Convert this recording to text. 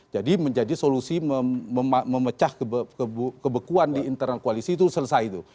jadi menjadi solusi memecah kebekuan di internal koalisi itu selesai itu